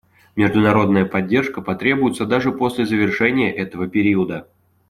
Международная поддержка потребуется даже после завершения этого периода.